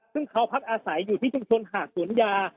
ซึ่งเขาพักอาศัยอยู่ที่ชุมชนหาดสวนยา